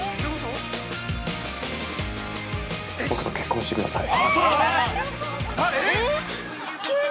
◆僕と結婚してください。